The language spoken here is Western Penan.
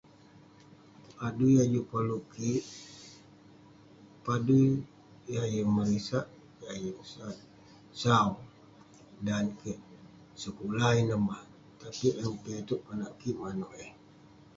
Adui yah juk koluk kik, padui yah yeng merisak, yah yeng sat. Sau, dan kek sekulah ineh mah tapik dalem piak iteuk konak kik maneuk eh.